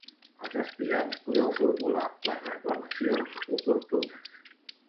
Els aspirants podeu formular les reclamacions oportunes.